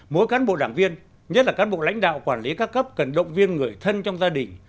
mỗi cán bộ đảng viên nhất là cán bộ lãnh đạo quản lý các cấp cần động viên người thân trong gia đình